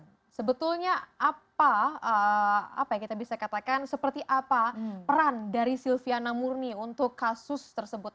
dan sebetulnya apa apa yang kita bisa katakan seperti apa peran dari silviana murni untuk kasus tersebut